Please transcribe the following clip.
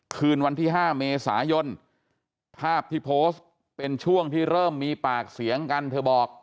คืนวันที่๕เมษายนภาพที่โพสต์เป็นช่วงที่เริ่มมีปากเสียงกันเธอบอก